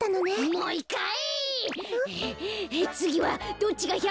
もう１かい！